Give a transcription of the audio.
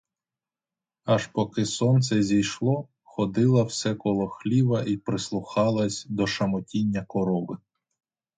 Аж поки сонце зійшло, ходила все коло хліва й прислухалась до шамотіння корови.